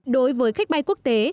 đối với khách bay quốc tế